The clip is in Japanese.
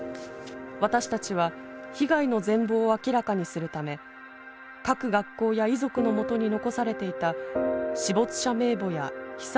私たちは被害の全貌を明らかにするため各学校や遺族のもとに残されていた死没者名簿や被災記録を独自に収集。